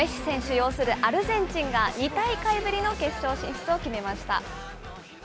擁するアルゼンチンが、２大会ぶりの決勝進出を決めました。